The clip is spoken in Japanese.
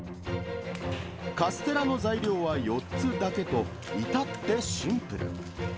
カステラの材料は４つだけと、いたってシンプル。